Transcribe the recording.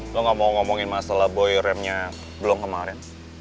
lo gak mau ngomongin masalah boy remnya blong kemarin